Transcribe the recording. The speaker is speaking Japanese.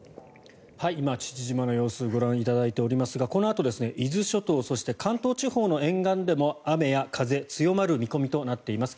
今、父島の様子をご覧いただいていますがこのあと、伊豆諸島そして関東地方の沿岸でも雨や風強まる見込みとなっています。